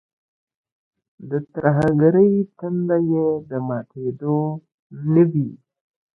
د ترهګرۍ تنده یې د ماتېدو نه وي.